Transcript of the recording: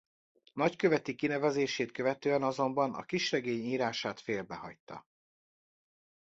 Nagyköveti kinevezését követően azonban a kisregény írását félbehagyta.